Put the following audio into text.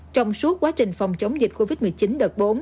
trong suốt quá trình phòng chống dịch covid một mươi chín đợt bốn